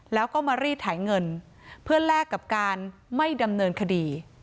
แล้วก็มารีดไถเงินเพื่อแลกกับการไม่ดำเนินคดี